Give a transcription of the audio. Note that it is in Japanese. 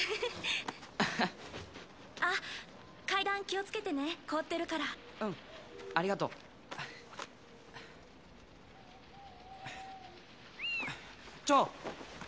あっ階段気をつけてね凍ってるからうんありがとうチョウ！